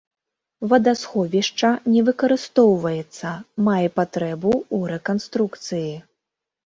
Вадасховішча не выкарыстоўваецца, мае патрэбу ў рэканструкцыі.